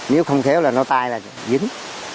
nếu không khéo là nó tai là dính